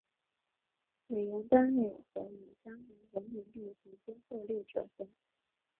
美元单位则以当年人民币平均汇率折算。